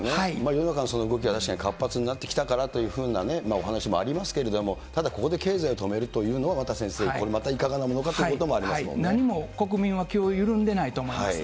世の中、確かに活発になってきたかなというお話もありますけれども、ただここで経済を止めるというのは、また先生、いかがなものかと何も国民は、気を緩んでないと思います。